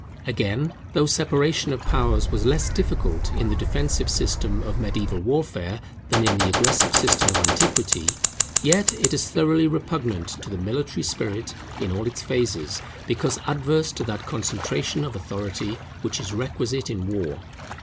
Again, though separation of powers was less difficult in the defensive system of mediaeval warfare than in the aggressive system of antiquity, yet it is thoroughly repugnant to the military spirit in all its phases, because adverse to that concentration of authority which is requisite in war.